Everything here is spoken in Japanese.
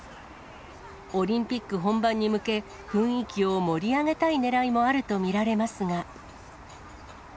オリンピック本番に向け、雰囲気を盛り上げたいねらいもあると見られますが。